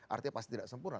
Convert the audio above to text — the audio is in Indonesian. artinya pasti tidak sempurna